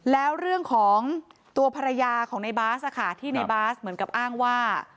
แล้วเรื่องของตัวภรรยาของในบาสที่ในบาสเหมือนกับอ้างว่า